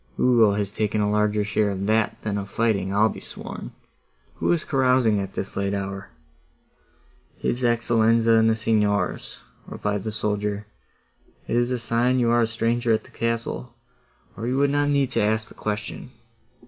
Ugo has taken a larger share of that than of fighting, I'll be sworn. Who is carousing at this late hour?" "His Excellenza and the Signors," replied the soldier: "it is a sign you are a stranger at the castle, or you would not need to ask the question.